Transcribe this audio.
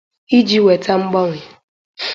iji weta mgbanwe